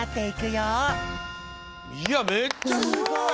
いやめっちゃすごい！